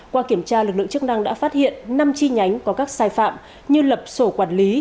qua kiểm tra lực lượng chức năng đã phát hiện năm chi nhánh có các sai phạm như lập sổ quản lý